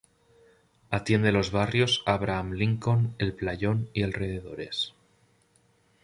Atiende los barrios Abraham Lincoln, El Playón y alrededores.